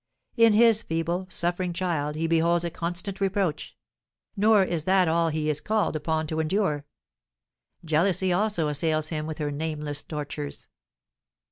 In his feeble, suffering child he beholds a constant reproach; nor is that all he is called upon to endure; jealousy also assails him with her nameless tortures."